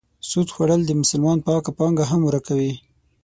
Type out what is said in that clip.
سود خوړل د مسلمان پاکه پانګه هم ورکوي.